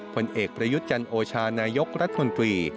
ผลเอกประยุทธ์จันโอชานายกรัฐมนตรี